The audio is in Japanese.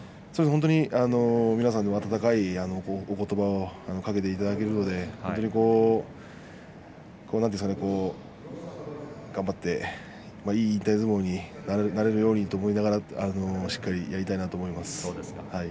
本当に皆さんの温かいおことばをかけていただけるので頑張っていい引退相撲になるようにとしっかりやりたいと思います。